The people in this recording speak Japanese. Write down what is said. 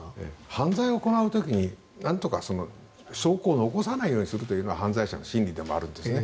犯罪を行う時になんとか証拠を残さないようにするというのが犯罪者の心理でもあるんですね。